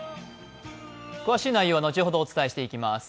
詳しい内容は後ほどお伝えしていきます。